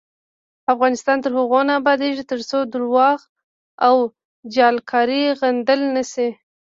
افغانستان تر هغو نه ابادیږي، ترڅو درواغ او جعلکاری غندل نشي.